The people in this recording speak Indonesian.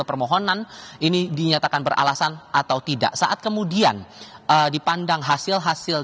permohonan ini dinyatakan beralasan atau tidak saat kemudian dipandang hasil hasil